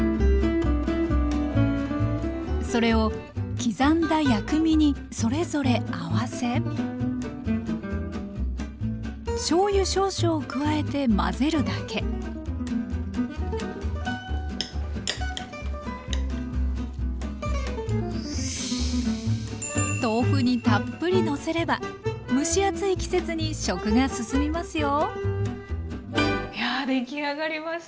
それを刻んだ薬味にそれぞれ合わせしょうゆ少々を加えて混ぜるだけ豆腐にたっぷりのせれば蒸し暑い季節に食が進みますよいや出来上がりました。